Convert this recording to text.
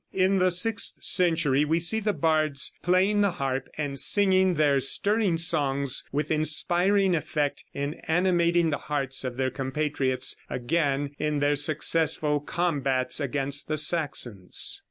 In the sixth century we see the bards playing the harp and singing their stirring songs with inspiring effect in animating the hearts of their compatriots again in their successful combats against the Saxons.